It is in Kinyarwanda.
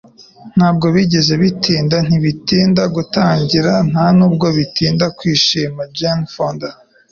Ntabwo bigeze bitinda - ntibitinda gutangira, nta nubwo bitinda kwishima.” - Jane Fonda